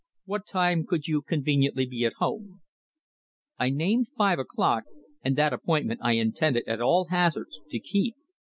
What time could you conveniently be at home?" I named five o'clock, and that appointment I intended, at all hazards, to keep.